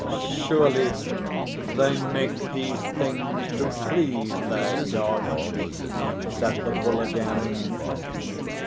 "Surely they make these things to please their Gods," said the Bull again.